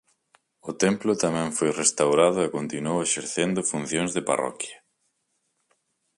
O templo tamén foi restaurado e continuou exercendo funcións de parroquia.